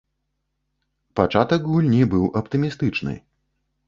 Пачатак гульні быў аптымістычны.